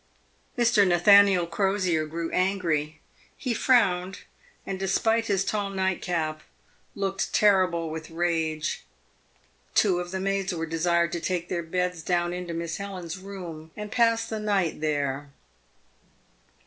Mr. Nathaniel Crosier grew angry. He frowned and, despite his tall nightcap, looked terrible with rage. Two of the maids were 2c2 388 PAVED WITH GOLD. desired to take their beds down into Miss Helen's room, and pass the night there.